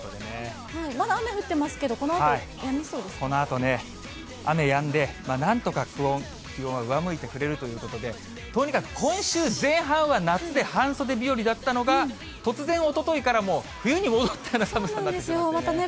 まだ雨降ってますけど、このあとね、雨やんでね、なんとか気温は上向いてくれるということで、とにかく今週前半は夏で半袖日和だったのが、突然、おとといからもう冬に戻ったような寒さになってしまってね。